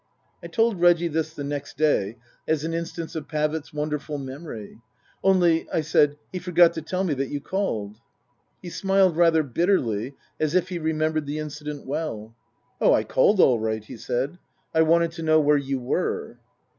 I told Reggie this the next day as an instance of Pavitt's wonderful memory. " Only," I said, " he forgot to tell me that you called." He smiled rather bitterly as if he remembered the incident well. " Oh, I called all right," he said. " I wanted to know where you were."